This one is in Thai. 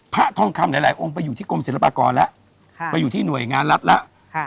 ทองคำหลายหลายองค์ไปอยู่ที่กรมศิลปากรแล้วไปอยู่ที่หน่วยงานรัฐแล้ว